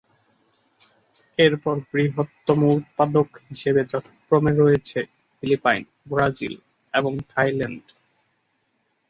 এরপর বৃহত্তম উৎপাদক হিসাবে যথাক্রমে রয়েছে ফিলিপাইন, ব্রাজিল এবং থাইল্যান্ড।